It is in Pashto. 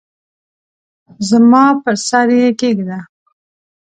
زما پر سر یې کښېږده !